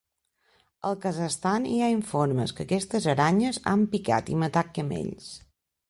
Al Kazakhstan, hi ha informes que aquestes aranyes han picat i matat camells.